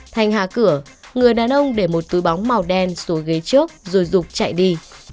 thành hạ cửa người đàn ông để một túi bóng màu đen xuống ghế trước rồi rục chạy đi